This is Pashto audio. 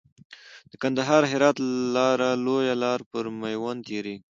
د کندهار هرات لاره لويه لار پر ميوند تيريږي .